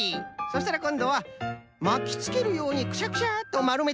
そしたらこんどはまきつけるようにクシャクシャッとまるめていくんじゃ。